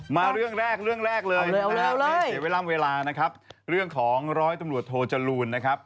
มาเรื่องแรกเลยเสียเวลาเวลานะครับเรื่องของร้อยตำรวจโทจรูลนะครับ